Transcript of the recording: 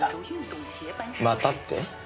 またって？